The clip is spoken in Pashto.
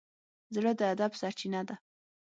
زړه د ادب سرچینه ده.